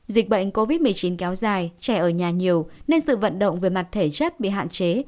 dịch bệnh covid một mươi chín kéo dài trẻ ở nhà nhiều nên sự vận động về mặt thể chất bị hạn chế